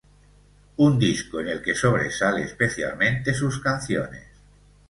Un disco en el que sobresale especialmente sus canciones.